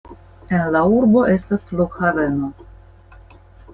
En la urbo estas flughaveno.